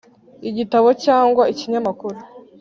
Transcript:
igitabo cyangwa ikinyamakuru.